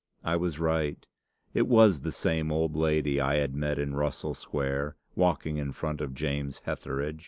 I was right. It was the same old lady I had met in Russell Square, walking in front of James Hetheridge.